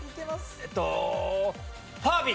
えっとファービー！